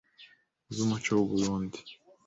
z’umuco w’u Burunndi ,